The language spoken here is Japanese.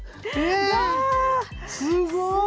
すごい！